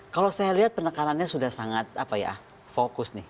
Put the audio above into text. kalau saya lihat penekanannya sudah sangat fokus nih